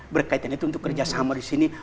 berkaitan itu untuk kerjasama disini